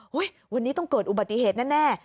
วันนี้ต้องเกิดอุบัติเหตุแน่